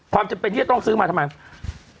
จำเป็นที่จะต้องซื้อมาทำไม